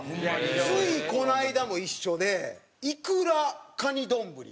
ついこの間も一緒でいくらカニ丼にマヨネーズ。